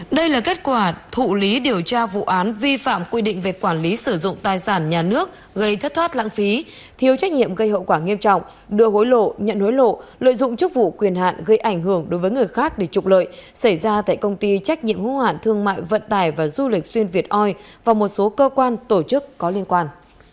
đây là kết quả thụ lý điều tra vụ án vi phạm quy định về quản lý sử dụng tài sản nhà nước gây thất thoát lãng phí thiếu trách nhiệm gây hậu quả nghiêm trọng đưa hối lộ nhận hối lộ lợi dụng chức vụ quyền hạn gây ảnh hưởng đối với người khác để trục lợi xảy ra tại công ty trách nhiệm hữu hạn thương mại vận tài và du lịch xuyên việt oi và một số cơ quan tổ chức có liên quan